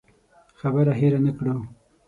خبره هېره نه کړو.